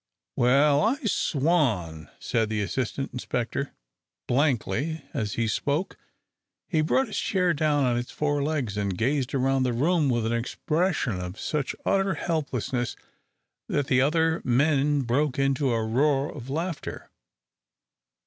"Well, I swan!" said the assistant inspector, blankly, and, as he spoke, he brought his chair down on its four legs, and gazed about the room with an expression of such utter helplessness that the other men broke into a roar of laughter.